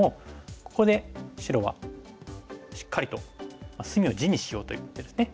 ここで白はしっかりと隅を地にしようと言ってるんですね。